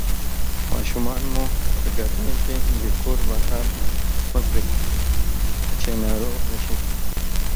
ماشومان مو په ګرمۍ کې د کور بهر مه پرېږدئ چې ناروغ نشي